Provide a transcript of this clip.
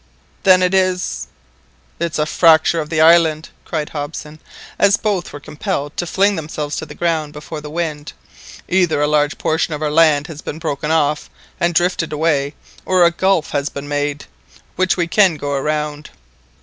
"Then it is"—— "It is a fracture of the island!" cried Hobson, as both were compelled to fling themselves to the ground before the wind, "either a large portion of our land has been broken off and drifted away, or a gulf has been made, which we can go round.